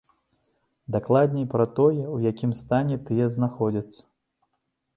Дакладней, пра тое, у якім стане тыя знаходзяцца.